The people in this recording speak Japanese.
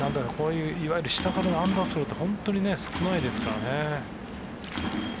いわゆる下からのアンダースローって少ないですからね。